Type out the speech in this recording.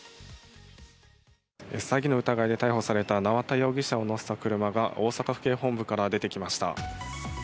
詐欺の疑いで逮捕された縄田容疑者を乗せた車が大阪府警本部から出てきました。